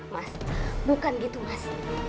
mas bukan gitu mas